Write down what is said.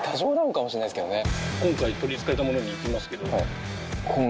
かもしれないですね。